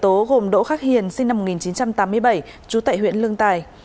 các đối tượng bị khởi tố gồm đỗ khắc hiền sinh năm một nghìn chín trăm tám mươi bảy chú tại huyện lương tài